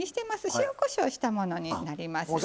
塩・こしょうしたものになりますね。